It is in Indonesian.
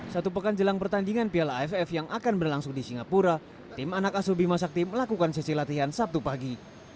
satu pekan jelang pertandingan piala aff yang akan berlangsung di singapura tim anak asubi masakti melakukan sesi latihan sabtu pagi